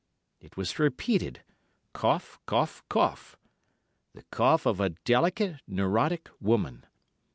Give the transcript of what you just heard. "It was repeated—cough, cough, cough. The cough of a delicate, neurotic woman.